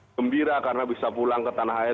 gembira karena bisa pulang ke tanah air